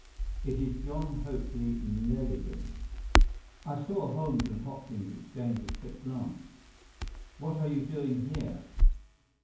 "It is John Hopley Neligan." I saw Holmes and Hopkins exchange a quick glance. "What are you doing here?"